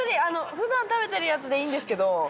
ふだん食べてるやつでいいんですけど。